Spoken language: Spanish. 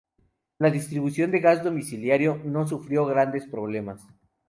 La distribución de gas domiciliario no sufrió grandes problemas.